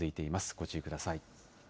ご注意ください。